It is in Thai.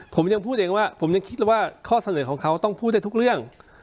ผมยังพูดเองว่าผมยังคิดเลยว่าข้อเสนอของเขาต้องพูดได้ทุกเรื่อง